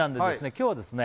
今日はですね